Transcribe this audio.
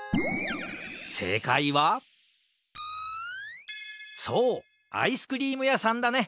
せいかいはそうアイスクリームやさんだね！